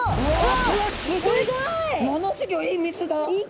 ものすギョい水が。